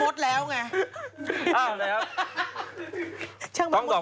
ปลาหมึกแท้เต่าทองอร่อยทั้งชนิดเส้นบดเต็มตัว